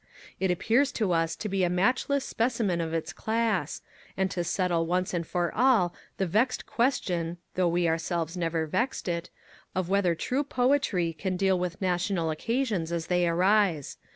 It appears to us to be a matchless specimen of its class, and to settle once and for all the vexed question (though we ourselves never vexed it) of whether true poetry can deal with national occasions as they arise.